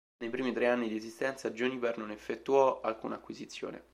Nei primi tre anni di esistenza Juniper non effettuò alcuna acquisizione.